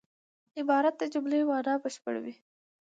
عبارت د جملې مانا بشپړوي.